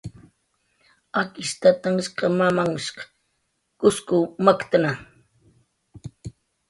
Akish tatanhshq mamamnhhsh Kuskw maktnna